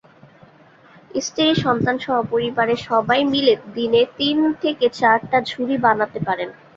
স্ত্রী-সন্তানসহ পরিবারের সবাই মিলে দিনে তিন থেকে চারটা ঝুড়ি বানাতে পারেন।